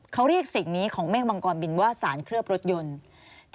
เขาเรียกสิ่งนี้ของเมฆมังกรบินว่าสารเคลือบรถยนต์